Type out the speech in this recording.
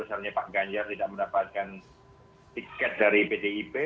misalnya pak ganjar tidak mendapatkan tiket dari pdip